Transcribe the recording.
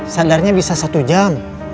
sadarnya bisa satu jam